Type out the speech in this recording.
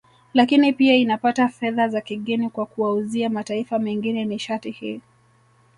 Lakini pia inapata fedha za kigeni kwa kuwauzia mataifa mengine nishati hii